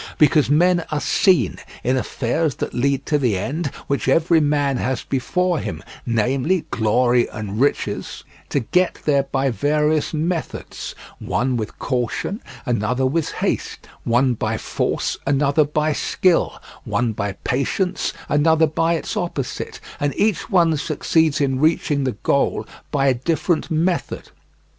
Because men are seen, in affairs that lead to the end which every man has before him, namely, glory and riches, to get there by various methods; one with caution, another with haste; one by force, another by skill; one by patience, another by its opposite; and each one succeeds in reaching the goal by a different method.